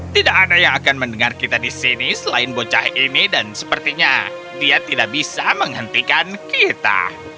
tidak ada yang akan mendengar kita di sini selain bocah ini dan sepertinya dia tidak bisa menghentikan kita